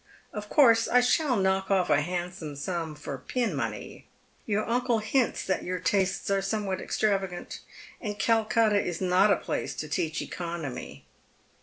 Of course I shall knock off a handsome sum for pin money. Your uncle hints that your tastes are somewhat extravagant, and Calcutta is not a place to teach economy.